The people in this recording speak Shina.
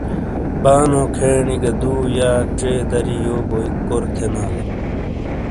بانو کھینی گہ دو یا چئے دری یو بوئی کور تھینالے۔